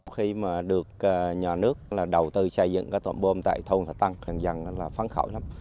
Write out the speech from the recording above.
khi mà được nhà nước đầu tư xây dựng cái thôn bơm tại thôn thạch tân thường dân là phán khỏi lắm